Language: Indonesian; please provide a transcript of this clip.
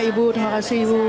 ibu terima kasih ibu